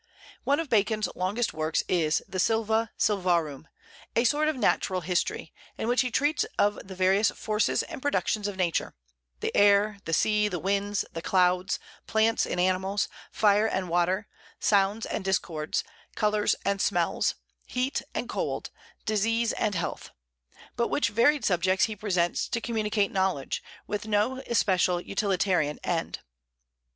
One of Bacon's longest works is the "Silva Sylvarum," a sort of natural history, in which he treats of the various forces and productions of Nature, the air the sea, the winds, the clouds, plants and animals, fire and water, sounds and discords, colors and smells, heat and cold, disease and health; but which varied subjects he presents to communicate knowledge, with no especial utilitarian end.